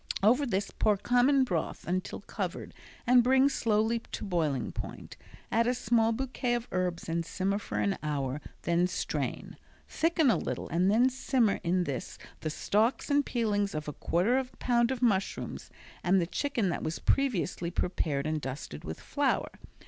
Over this pour common broth until covered and bring slowly to boiling point. Add a small bouquet of herbs and simmer for an hour, then strain. Thicken a little and then simmer in this the stalks and peelings of a quarter of a pound of mushrooms and the chicken that was previously prepared and dusted with flour.